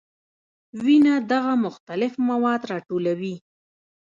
وینه دغه مختلف مواد راټولوي.